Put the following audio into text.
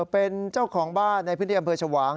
เป็นเจ้าของบ้านในพื้นที่อำเภอชวาง